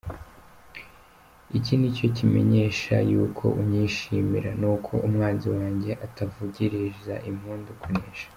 Iki ni cyo kimenyesha yuko unyishimira, Ni uko umwanzi wanjye atavugiriza impundu kunesha.